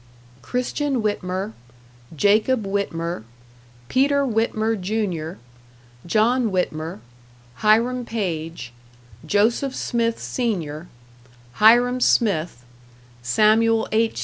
Christian Whitmer Jacob Whitmer Peter Whitmer, Jr. John Whitmer Hiram Page Joseph Smith, Sr. Hyrum Smith Saml. H.